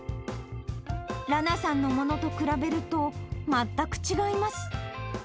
羅名さんのものと比べると、全く違います。